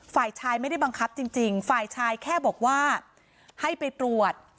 ฝ่ายชายไม่ได้บังคับจริงฝ่ายชายแค่บอกว่าให้ไปตรวจ